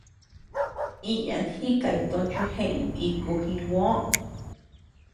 Iñan jíkay tochi jeʼeñ bíku jinguö.